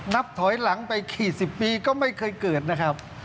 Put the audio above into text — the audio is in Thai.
นับถอยหลังไปกี่สิบปีก็ไม่เคยเกิดนะครับ